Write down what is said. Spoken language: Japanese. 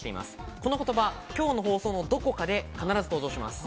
この言葉、今日の放送のどこかで必ず登場します。